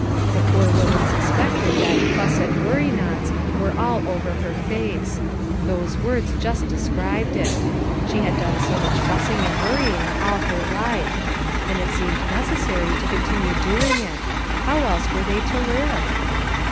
The poor woman suspected that "fuss and worry knots" were all over her face; those words just described it; she had done so much fussing and worrying all her life ! and it seemed necessary to continue doing it; how else were they to live?